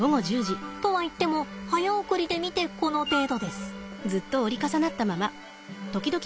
とはいっても早送りで見てこの程度です。